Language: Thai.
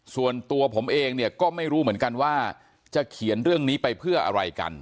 ส่วนตัวผมเองเนี่ยก็ไม่รู้เหมือนกันว่าจะเขียนเรื่องนี้ไปเพื่ออะไรกัน